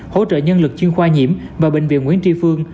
hỗ trợ nhân lực chuyên khoa nhiễm và bệnh viện nguyễn tri phương